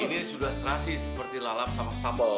ini sudah strasi seperti lalap sama sambal